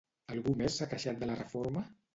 Algú més s'ha queixat de la reforma?